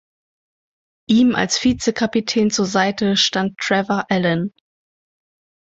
Ihm als Vizekapitän zur Seite stand Trevor Allan.